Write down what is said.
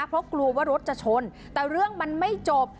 เพราะกลัวว่ารถจะชนแต่เรื่องมันไม่จบ